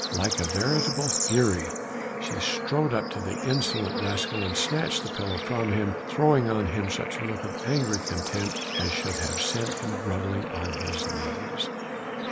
Like a veritable fury she strode up to the insolent rascal, and snatched the pillow from him, throwing on him such a look of angry contempt as should have sent him grovelling on his knees.